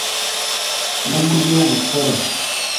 Nuburyo bukora?